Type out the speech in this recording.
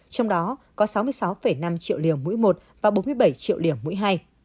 trong đó có sáu mươi sáu năm triệu liều mũi một và bốn mươi bảy triệu liều mũi hai